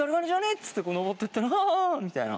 っつって登ってったらあぁみたいな。